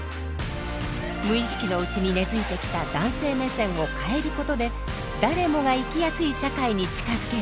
無意識のうちに根づいてきた男性目線を変えることで誰もが生きやすい社会に近づける。